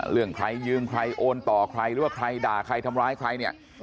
เรื่องใครยืมใครโอนต่อใครหรือว่าใครด่าใครทำร้ายใครเนี่ย